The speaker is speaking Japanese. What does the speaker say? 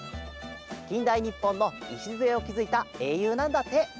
きんだいにっぽんのいしずえをきずいたえいゆうなんだって！